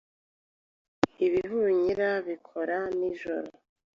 Ibihunyira bikora nijoro.